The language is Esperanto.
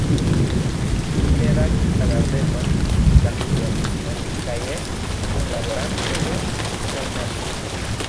Li redaktis la gazeton "La Socialisto" kaj estis kunlaboranto de "Sennaciulo.